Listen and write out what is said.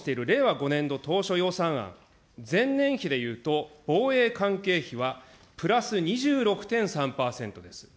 ５年度当初予算案、前年比で言うと、防衛関係費はプラス２６．３％です。